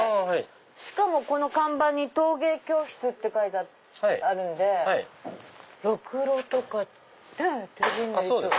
しかもこの看板に陶芸教室って書いてあるんでろくろとか手びねりとか。